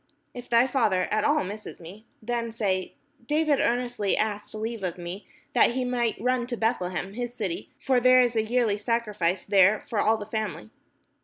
If thy father at all miss me, then say, David earnestly asked leave of me that he might run to Beth lehem his city: for there is a yearly sacrifice there for all the family.